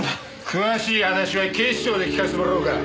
詳しい話は警視庁で聞かせてもらおうか。